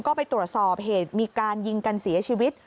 ก็ไปตรวจสอบเหตุมีการยิงกันเสียชีวิต